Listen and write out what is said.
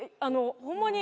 ホンマに。